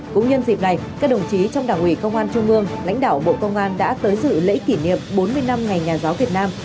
cũng nhân dịp này các đồng chí trong đảng ủy công an trung ương lãnh đạo bộ công an đã tới dự lễ kỷ niệm bốn mươi năm ngày nhà giáo việt nam